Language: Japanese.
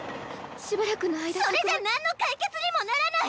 しばらくのそれじゃなんの解決にもならない！